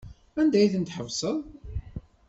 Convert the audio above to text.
Anda ay ten-tḥebseḍ?